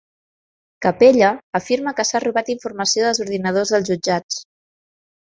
Capella afirma que s'ha robat informació dels ordinadors dels jutjats